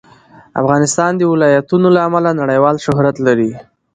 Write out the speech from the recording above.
افغانستان د ولایتونو له امله نړیوال شهرت لري.